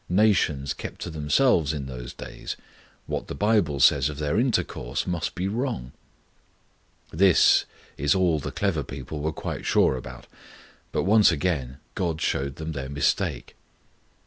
Nations kept to themselves in those days. What the Bible says of their intercourse must be wrong.' This all the clever people were quite sure about, but once again God showed them their mistake.